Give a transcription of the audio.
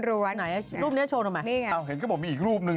รูปนี้โชว์หน่อยนี่ไงเห็นก็บอกมีอีกรูปหนึ่ง